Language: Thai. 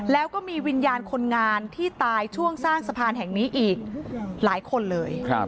แล้วก็มีวิญญาณคนงานที่ตายช่วงสร้างสะพานแห่งนี้อีกหลายคนเลย